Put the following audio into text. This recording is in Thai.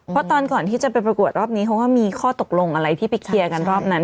เพราะตอนก่อนที่จะไปประกวดรอบนี้เขาก็มีข้อตกลงอะไรที่ไปเคลียร์กันรอบนั้น